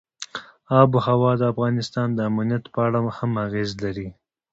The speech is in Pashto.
آب وهوا د افغانستان د امنیت په اړه هم اغېز لري.